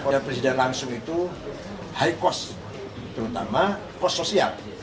yang presiden langsung itu high cost terutama cost sosial